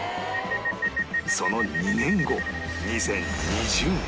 その２年後２０２０年